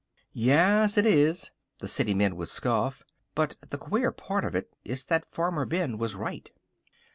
"Ya as, it is!" the city men would scoff. But the queer part of it is that Farmer Ben was right.